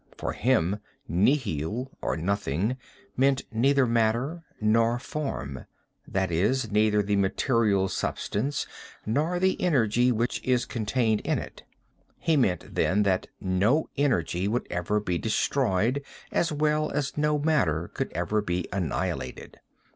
For him Nihil or nothing meant neither matter nor form, that is, neither the material substance nor the energy which is contained in it. He meant then, that no energy would ever be destroyed as well as no matter would ever be annihilated.